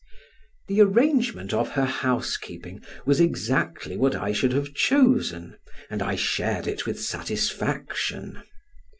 The arrangement of her housekeeping was exactly what I should have chosen, and I shared it with satisfaction.